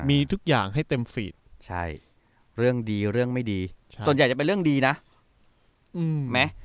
มีทุกอย่างให้เต็มฟีดใช่เรื่องดีเรื่องไม่ดีส่วนใหญ่จะเป็นเรื่องดีนะไหม